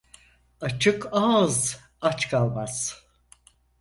Açık ağız aç kalmaz.